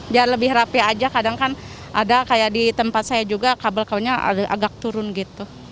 biar lebih rapih aja kadang kan ada kayak di tempat saya juga kabel kabelnya agak turun gitu